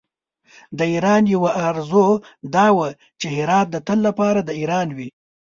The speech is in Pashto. د ایران یوه آرزو دا وه چې هرات د تل لپاره د ایران وي.